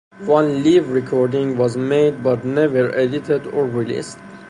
One live recording was made but never edited or released.